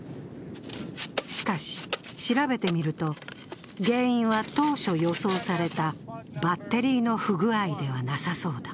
しかし調べてみると、原因は当初予想されたバッテリーの不具合ではなさそうだ。